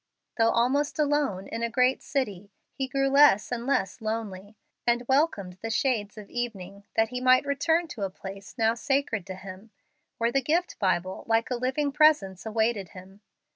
Though almost alone in the great city, he grew less and less lonely, and welcomed the shades of evening, that he might return to a place now sacred to him, where the gift Bible, like a living presence, awaited him.